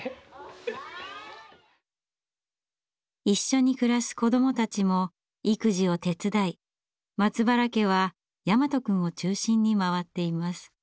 一緒に暮らす子どもたちも育児を手伝い松原家は大和くんを中心に回っています。